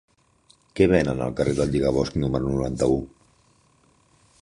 Què venen al carrer del Lligabosc número noranta-u?